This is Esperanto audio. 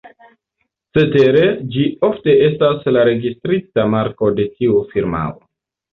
Cetere, ĝi ofte estas la registrita marko de tiu firmao.